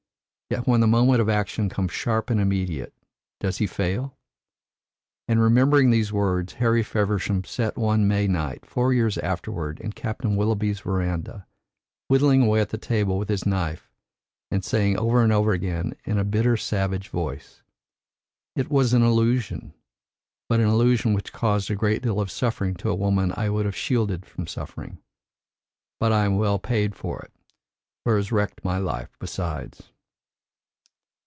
Yet when the moment of action comes sharp and immediate, does he fail?" And remembering the words, Harry Feversham sat one May night, four years afterwards, in Captain Willoughby's verandah, whittling away at the table with his knife, and saying over and over again in a bitter savage voice: "It was an illusion, but an illusion which has caused a great deal of suffering to a woman I would have shielded from suffering. But I am well paid for it, for it has wrecked my life besides."